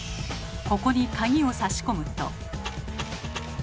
ここに鍵を差し込むと。